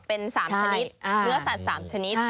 เป็นเนื้อสัตว์๓ชนิด